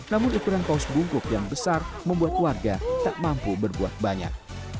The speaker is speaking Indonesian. namun ukuran paus bungkuk yang besar membuat warga tak mampu berbuat banyak